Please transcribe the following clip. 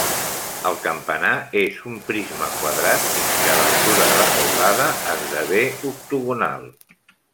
El campanar és un prisma quadrat fins que a l'altura de la teulada esdevé octogonal.